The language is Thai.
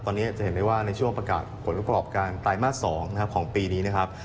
ตอนนี้จะเห็นได้ว่าในช่วงประกาศผลประกอบการไตรมาส๒นะครับของปีนี้นะครับ